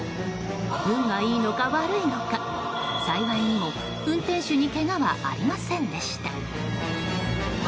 運がいいのか悪いのか幸いにも運転手にけがはありませんでした。